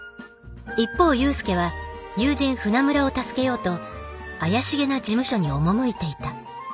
一方勇介は友人船村を助けようと怪しげな事務所に赴いていた。